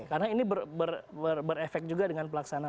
karena ini berefek juga dengan pelaksanaan